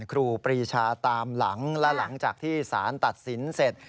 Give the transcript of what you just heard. ครูปรีชาตามหลังและหลังจากที่สารตัดสินเสร็จ